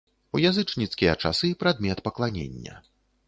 У язычніцкія часы прадмет пакланення.